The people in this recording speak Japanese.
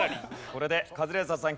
これでカズレーザーさん